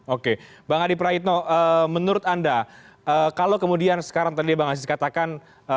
oke bang adi praitno menurut anda kalau kemudian sekarang tadi bang aziz katakan